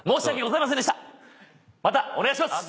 またお願いします！